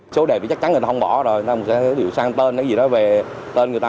số đẹp thì chắc chắn người ta không bỏ rồi người ta không sẽ điều sang tên gì đó về tên người ta